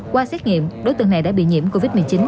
qua xét nghiệm đối tượng này đã bị nhiễm covid một mươi chín